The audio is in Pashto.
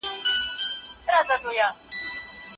هغه هلکان چې په موټر کې وو ډېر خوشاله ښکارېدل.